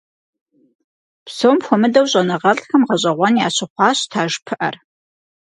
Псом хуэмыдэу щӀэныгъэлӀхэм гъэщӏэгъуэн ящыхъуащ таж пыӀэр.